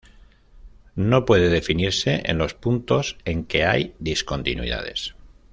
No puede definirse en los puntos en que hay discontinuidades.